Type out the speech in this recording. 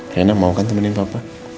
rina mau kan temenin papa